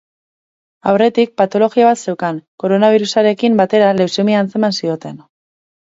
Aurretik patologia bat zeukan, koronabirusarekin batera leuzemia antzeman zioten.